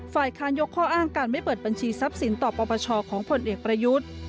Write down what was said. ฝ่ายค้านยกข้ออ้างการไม่เปิดบัญชีทรัพย์สินต่อปปชของผลเอกประยุทธ์